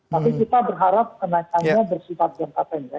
tapi kita berharap kenaikannya bersifat jangka pendek